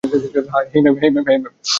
High, ma'am.